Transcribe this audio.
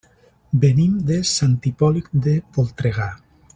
Venim de Sant Hipòlit de Voltregà.